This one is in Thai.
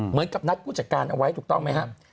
เหมือนกับนัดผู้จัดการเอาไว้ถูกต้องไหมครับ